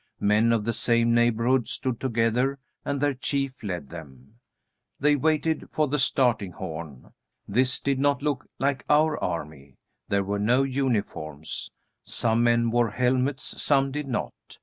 Men of the same neighborhood stood together, and their chief led them. They waited for the starting horn. This did not look like our army. There were no uniforms. Some men wore helmets, some did not.